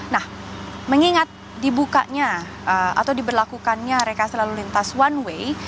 nah mengingat dibukanya atau diberlakukannya rekasi lalu lintas one way